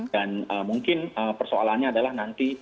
dan mungkin persoalannya adalah nanti